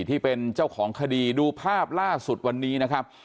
ที่เป็นเจ้าของคดีดูภาพล่าสุดวันนี้นะครับ